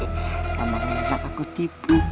hehehe kamu lihat apa aku tipu